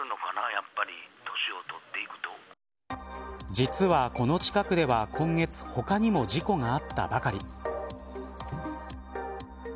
実は、この近くでは今月他にも事故があったばかり。